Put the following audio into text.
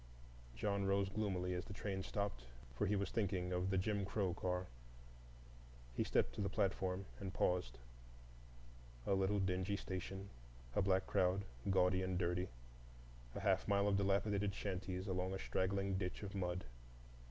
John rose gloomily as the train stopped, for he was thinking of the "Jim Crow" car; he stepped to the platform, and paused: a little dingy station, a black crowd gaudy and dirty, a half mile of dilapidated shanties along a straggling ditch of mud.